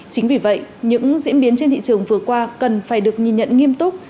chính vì vậy những diễn biến trên thị trường vừa qua cần phải được nhìn nhận nghiêm túc